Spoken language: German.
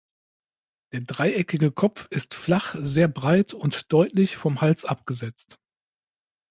Der dreieckige Kopf ist flach, sehr breit und deutlich vom Hals abgesetzt.